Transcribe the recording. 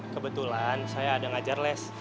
kebetulan saya ada ngajar les